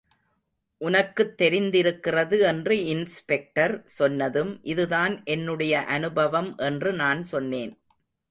உனக்குத் தெரிந்திருக்கிறது என்று இன்ஸ்பெக்டர் சொன்னதும் இதுதான் என்னுடைய அனுபவம் என்று நான் சொன்னேன்.